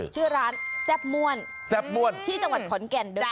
ชื่อร้านแซ่บม่วนที่จังหวัดขอนแก่นด้วยค่ะ